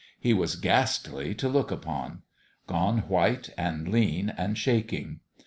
He was ghastly to look upon : gone white and lean and shaking.